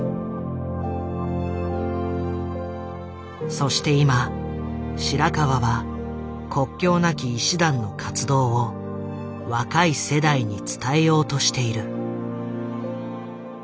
そして今白川は国境なき医師団の活動を若い世代に伝えようとしている。